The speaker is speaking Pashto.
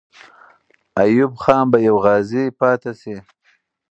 ایوب خان به یو غازی پاتې سي.